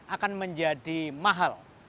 akan menjadi mahal